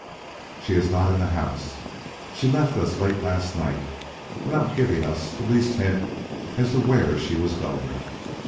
"She is not in the house. She left us late last night without giving us the least hint as to where she was going.